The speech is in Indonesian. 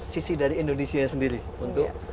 sisi dari indonesia sendiri untuk